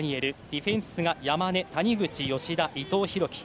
ディフェンスが山根、谷口、吉田伊藤洋輝。